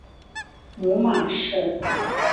母马氏。